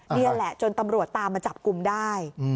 นี่แหละจนตำรวจตามมาจับกลุ่มได้